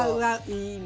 いいね。